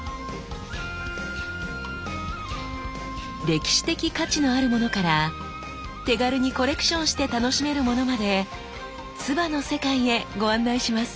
歴史的価値のあるものから手軽にコレクションして楽しめるものまで鐔の世界へご案内します。